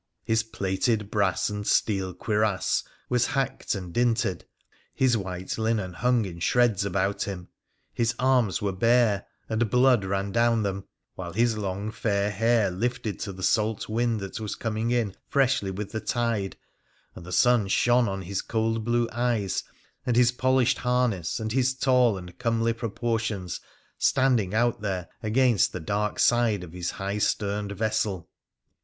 His plated brass and steel cuirass was hacked and dinted, his white linen hung in shreds about him ; his arms were bare, and blood ran down them, while his long fair hair lifted to the salt wind that was coining in freshly with the tide, and the sun shone on his cold blue eyes, and his polished harness, and his tall and comely proportions standing out there against the dark side of his high sterned vessel.